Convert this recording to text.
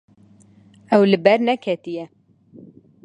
Ew li ber neketiye.